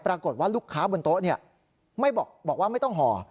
ปรากฏว่าลูกค้าบนโต๊ะบอกว่าไม่ต้องห่อ